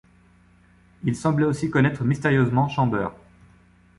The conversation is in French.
Il semblait aussi connaître mystérieusement Chamber.